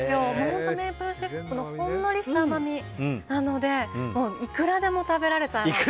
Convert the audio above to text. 本当にメイプルシロップのほんのりした甘みなのでいくらでも食べられちゃいます。